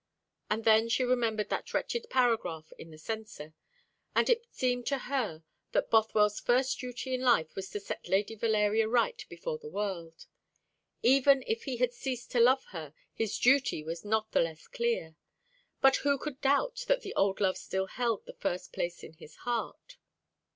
And then she remembered that wretched paragraph in the Censor; and it seemed to her that Bothwell's first duty in life was to set Lady Valeria right before the world. Even if he had ceased to love her, his duty was not the less clear; but who could doubt that the old love still held the first place in his heart?